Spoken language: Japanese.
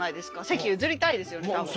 席譲りたいですよね多分。